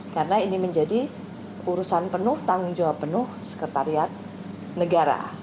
karena ini menjadi urusan penuh tanggung jawab penuh sekretariat negara